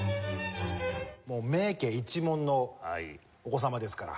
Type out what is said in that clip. もう名家一門のお子様ですから。